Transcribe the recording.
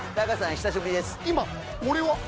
久しぶりです